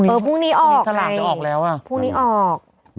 เออพรุ่งนี้ออกไงพรุ่งนี้ออก